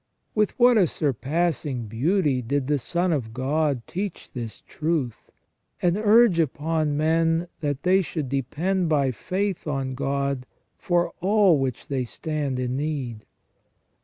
With what a surpassing beauty did the Son of God teach this truth, and urge upon men that they should depend by faith on God for all of which they stand in need.